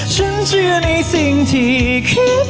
ฉันเชื่อในสิ่งที่คิด